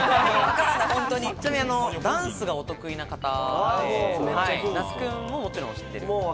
ちなみにダンスがお得意な方で、那須君も、もちろん知ってる。